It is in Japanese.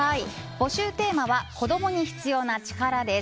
募集テーマは子供に必要な力です。